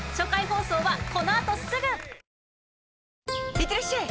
いってらっしゃい！